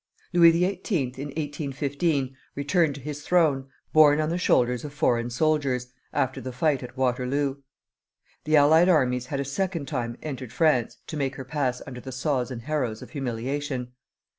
Louis XVIII. in 1815 returned to his throne, borne on the shoulders of foreign soldiers, after the fight at Waterloo. The allied armies had a second time entered France to make her pass under the saws and harrows of humiliation.